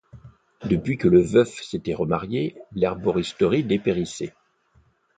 Depuis que le veuf s'était remarié, l'herboristerie dépérissait.